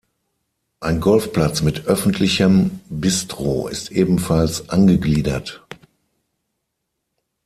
Ein Golfplatz mit öffentlichem Bistro ist ebenfalls angegliedert.